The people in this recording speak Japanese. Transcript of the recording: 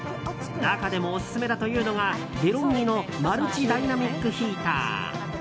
中でもオススメだというのがデロンギのマルチダイナミックヒーター。